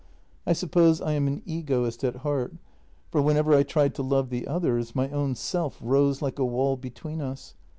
I suppose I am an egoist at heart, for whenever I tried to love the others, my own self rose like a wall between us.